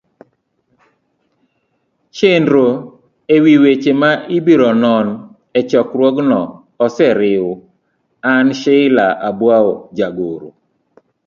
chenro e wi weche ma ibiro non e chokruogno oseriw. an, Sheila Abwao jagoro